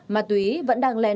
mà túy vẫn đang lèn lỏi